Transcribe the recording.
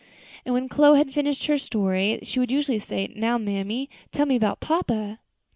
And when Chloe had finished that story she would usually say, "Now, mammy, tell me all about papa."